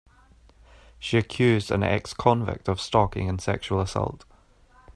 She accused an ex-convict of stalking and sexual assault.